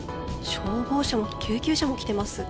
消防車も救急車も来ています。